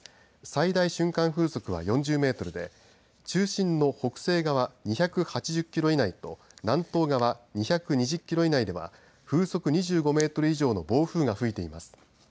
最大瞬間風速は４０メートルで中心の北西側２８０キロ以内と南東側２２０キロ以内では風速２５メートル以上の暴風が吹いています。